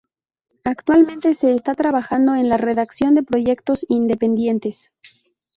Actualmente se está trabajando en la redacción de proyectos independientes.